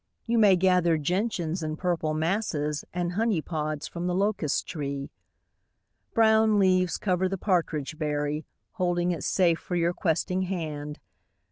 You may gather gentians in purple masses And honeypods from the locust tree. Brown leaves cover the partridge berry, \ Holding it safe for your questing hand.